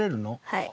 はい。